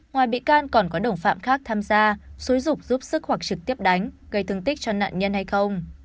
ngoài bị can còn có đồng phạm khác tham gia xúi dục giúp sức hoặc trực tiếp đánh gây thương tích cho nạn nhân hay không